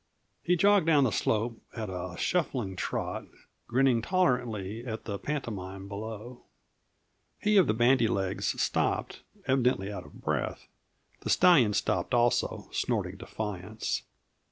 He jogged down the slope at a shuffling trot, grinning tolerantly at the pantomime below. He of the bandy legs stopped, evidently out of breath; the stallion stopped also, snorting defiance.